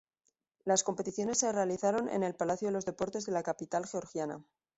Las competiciones se realizaron en el Palacio de los Deportes de la capital georgiana.